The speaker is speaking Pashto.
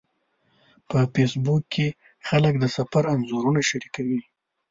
په فېسبوک کې خلک د سفر انځورونه شریکوي